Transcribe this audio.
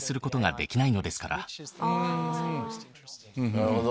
なるほど。